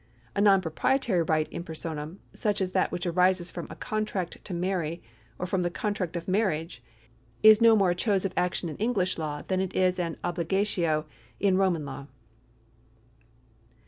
A non proprietary right in personam, such as that which arises from a contract to marry, or from the contract of marriage, is no more a chose in action in English law than it is an obligatio in Roman law.